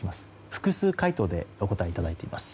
複数回答でお答えいただいています。